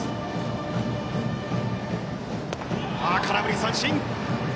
空振り三振。